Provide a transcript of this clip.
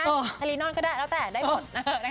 เออนะทะลีนอนก็ได้แล้วแต่ได้หมดนะครับ